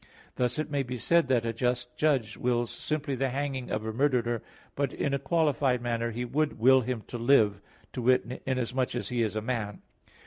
Thus it may be said that a just judge wills simply the hanging of a murderer, but in a qualified manner he would will him to live, to wit, inasmuch as he is a man.